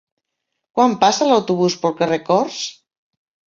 Quan passa l'autobús pel carrer Corts?